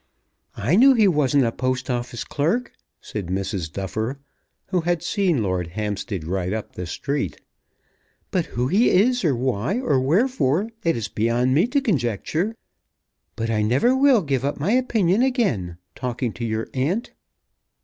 "I knew he wasn't a Post Office clerk," said Mrs. Duffer, who had seen Lord Hampstead ride up the street; "but who he is, or why, or wherefore, it is beyond me to conjecture. But I never will give up my opinion again, talking to your aunt.